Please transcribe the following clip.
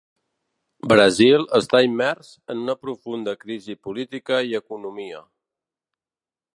Brasil està immers en una profunda crisi política i economia.